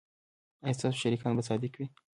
ایا ستاسو شریکان به صادق وي؟